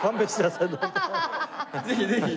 ぜひぜひ。